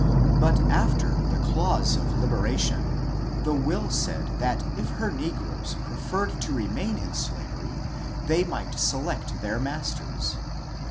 But after the clause of liberation the will said that if her negroes preferred to remain in slavery they might select their masters.